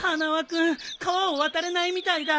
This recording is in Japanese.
君川を渡れないみたいだ。